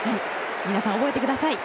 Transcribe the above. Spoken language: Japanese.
皆さん、覚えてください！